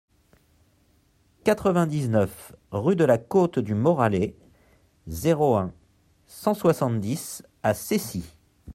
quatre-vingt-dix-neuf rue de la Côte du Moralay, zéro un, cent soixante-dix à Cessy